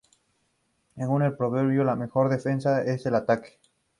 Según el proverbio: "la mejor defensa es el ataque".